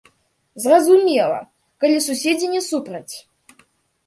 Зразумела, калі суседзі не супраць.